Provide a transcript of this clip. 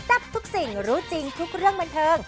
ทับทุกสิ่งรู้จริงทุกเรื่องบันเทิง